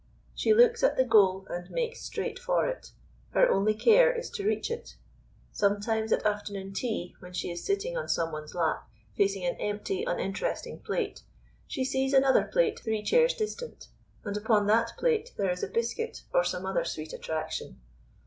She looks at the goal and makes straight for it. Her only care is to reach it. Sometimes at afternoon tea, when she is sitting on someone's lap, facing an empty, uninteresting plate, she sees another plate three chairs distant, and upon that plate there is a biscuit or some other sweet attraction.